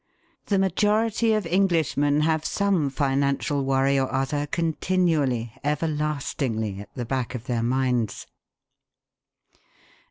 The majority of Englishmen have some financial worry or other continually, everlastingly at the back of their minds.